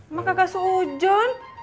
emak kagak seujon